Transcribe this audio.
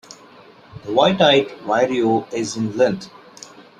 The white-eyed vireo is in length.